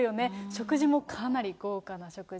食事もかなり豪華な食事。